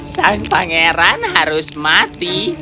sang pangeran harus mati